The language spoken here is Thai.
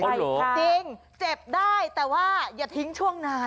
จริงเจ็บได้แต่ว่าอย่าทิ้งช่วงนาน